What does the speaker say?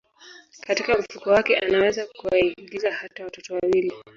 Katika mfuko wake anaweza kuwaingiza hata watoto wawili